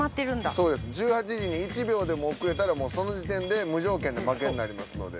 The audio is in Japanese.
そうです１８時に１秒でも遅れたらもうその時点で無条件で負けになりますので。